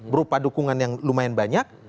berupa dukungan yang lumayan banyak